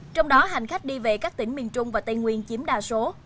trong đó hành khách đi về các tỉnh miền trung và tây nguyên chiếm đa số